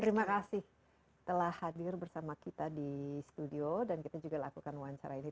terima kasih telah hadir bersama kita di studio dan kita juga lakukan wawancara ini